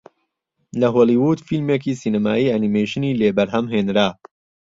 لە هۆڵیوود فیلمێکی سینەمایی ئەنیمەیشنی لێ بەرهەم هێنرا